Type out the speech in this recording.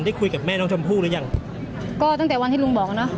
คุยกับแม่น้องชมพู่หรือยังก็ตั้งแต่วันที่ลุงบอกเนอะ